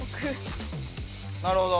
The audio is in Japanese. なるほど。